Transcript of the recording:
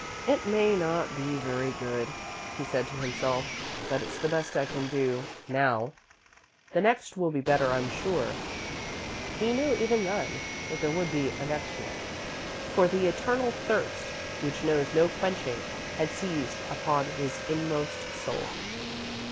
"It may not be very good," he said to himself, "but it's the best I can do now. The next will be better, I'm sure." He knew, even then, that there would be a "next one," for the eternal thirst which knows no quenching had seized upon his inmost soul.